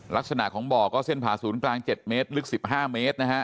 ลักษณะของบ่อก็เส้นผ่าศูนย์กลาง๗เมตรลึก๑๕เมตรนะฮะ